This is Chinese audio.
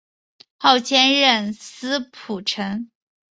后迁任司仆丞。